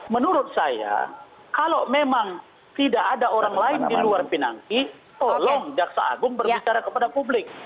menurut saya kalau memang tidak ada orang lain di luar pinangki tolong jaksa agung berbicara kepada publik